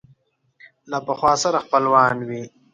له پخوا سره خپلوان وي